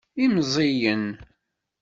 Imẓiyen.